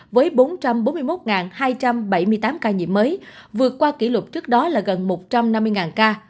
với bốn trăm bốn mươi một hai trăm bảy mươi tám ca nhiễm mới vượt qua kỷ lục trước đó là gần một trăm năm mươi ca